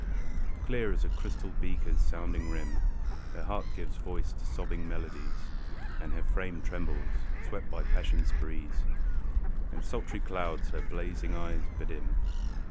Clear as a crystal beaker's sounding rim, Her heart gives voice to sobbing melodies, And her frame trembles, swept by passion's breeze, And sultry clouds her blazing eyes bedim.